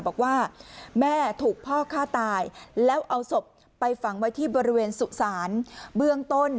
บอกว่าแม่ถูกพ่อฆ่าตายแล้วเอาศพไปฝังไว้ที่บริเวณสุสานเบื้องต้น